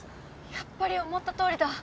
やっぱり思ったとおりだ。